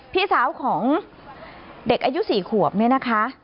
พี่สาวของเด็กอายุ๔ขวบเนี่ยนะคะ